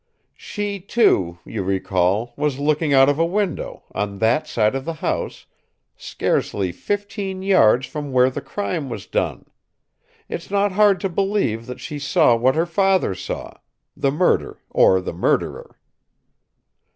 "She, too, you recall, was looking out of a window on that side of the house scarcely fifteen yards from where the crime was done. It's not hard to believe that she saw what her father saw: the murder or the murderer.